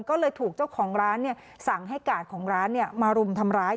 ก็เลยถูกเจ้าของร้านสั่งให้กาดของร้านมารุมทำร้าย